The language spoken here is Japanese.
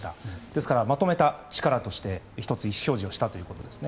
だからまとめた力として１つ、意思表示をしたということです。